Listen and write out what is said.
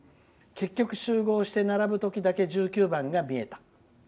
結局、集合して並ぶ時だけ１９番が見えた。